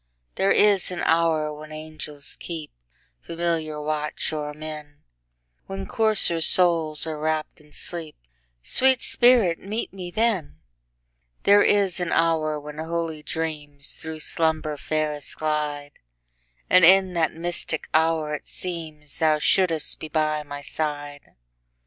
There is an hour when angels keepFamiliar watch o'er men, When coarser souls are wrapp'd in sleep—Sweet spirit, meet me then! There is an hour when holy dreamsThrough slumber fairest glide; And in that mystic hour it seemsThou shouldst be by my side.